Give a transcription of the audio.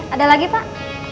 ada lagi pak